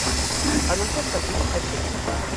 En un cert sentit, aixequi.